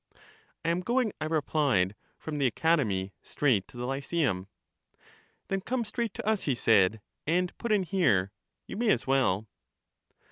I am going, I replied, from the Academy straight to the Lyceum. Then come straight to us, he said, and put in here; you may as well.